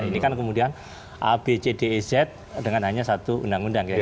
ini kan kemudian a b c d e z dengan hanya satu undang undang